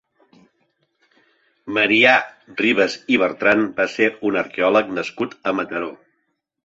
Marià Ribas i Bertran va ser un arqueòleg nascut a Mataró.